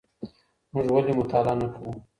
موږ ولې مطالعه نه کوو؟